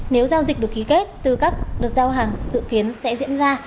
nếu giao dịch được ký kết từ các đợt giao hàng dự kiến sẽ diễn ra